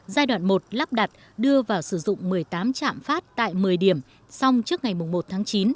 giai đoạn một lắp đặt đưa vào sử dụng một mươi tám trạm phát tại một mươi điểm xong trước ngày một tháng chín